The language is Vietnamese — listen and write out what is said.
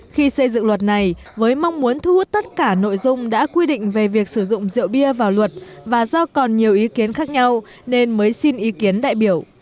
khi xây dựng luật này với mong muốn thu hút tất cả nội dung đã quy định về việc sử dụng rượu bia vào luật và do còn nhiều ý kiến khác nhau nên mới xin ý kiến đại biểu